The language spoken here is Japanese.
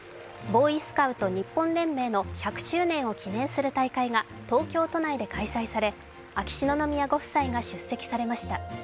ボーイスカウト日本連盟の１００周年を記念する大会が東京都内で開催され、秋篠宮ご夫妻が出席されました。